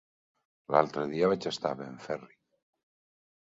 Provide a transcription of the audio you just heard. L'altre dia vaig estar a Benferri.